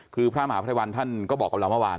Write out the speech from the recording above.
คือพระมหาภัยวันท่านก็บอกกับเราเมื่อวาน